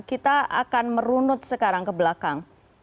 kita akan merunut sekarang ke belakang